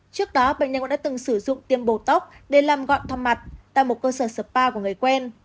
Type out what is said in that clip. trước đó bệnh nhân cũng đã từng sử dụng tiêm bồ tóc để làm gọn thềm mặt tại một cơ sở spa của người quen